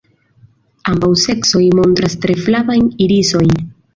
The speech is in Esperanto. Ambaŭ seksoj montras tre flavajn irisojn.